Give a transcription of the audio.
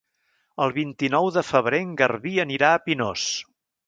El vint-i-nou de febrer en Garbí anirà a Pinós.